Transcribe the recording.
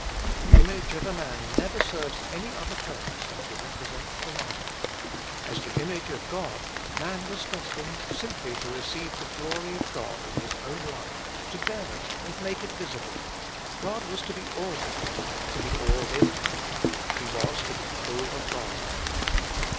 The image of a man never serves any other purpose than to represent the man. As the image of God man was destined simply to receive the glory of God in his own life, to bear it and make it visible. God was to be all to him ; to be all in him : he was to be full of God.